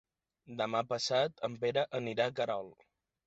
Demà passat en Pere anirà a Querol.